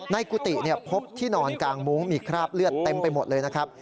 กุฏิพบที่นอนกลางมุ้งมีคราบเลือดเต็มไปหมดเลยนะครับ